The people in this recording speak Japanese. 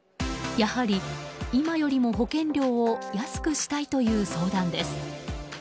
やはり、今よりも保険料を安くしたいという相談です。